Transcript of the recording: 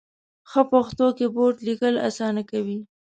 ښه پښتو کېبورډ ، لیکل اسانه کوي.